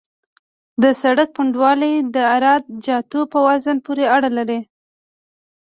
د سرک پنډوالی د عراده جاتو په وزن پورې اړه لري